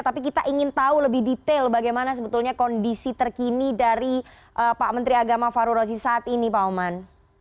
tapi kita ingin tahu lebih detail bagaimana sebetulnya kondisi terkini dari pak menteri agama faru rozi saat ini pak oman